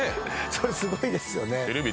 それすごいですよね。